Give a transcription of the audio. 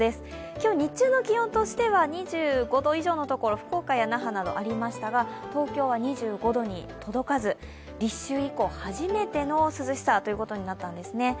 今日、日中としては２５度のところ、福岡や那覇でありましたが、東京は２５度に届かず、立秋以降、初めての涼しさということになったんですね。